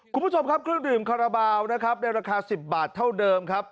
คุณผู้ชมครับเครื่องดื่มคาราบาลนะครับในราคา๑๐บาทเท่าเดิมครับ